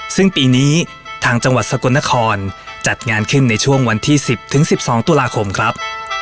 ซึ่งปีนี้ทางจังหวัดสกลนครจัดงานขึ้นในช่วงวันที่๑๐๑๒ตุลาคมครับ